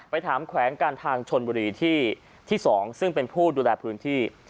ถามแขวงการทางชนบุรีที่๒ซึ่งเป็นผู้ดูแลพื้นที่